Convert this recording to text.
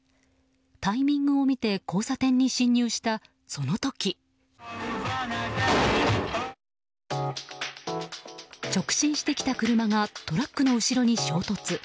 タイミングを見て交差点に進入したその時直進してきた車がトラックの後ろに衝突。